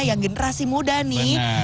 yang generasi muda nih